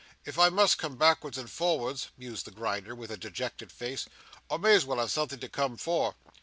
If I must come backwards and forwards," mused the Grinder with a dejected face, "I may as well have something to come for."